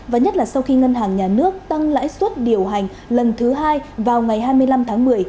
và nhất là sau khi ngân hàng nhà nước tăng lãi suất điều hành lần thứ hai vào ngày hai mươi năm tháng một mươi